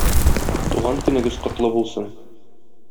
Туган көнегез котлы булсын!